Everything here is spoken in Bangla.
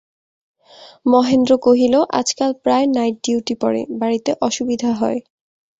মহেন্দ্র কহিল, আজকাল প্রায় নাইট-ডিউটি পড়ে–বাড়িতে অসুবিধা হয়।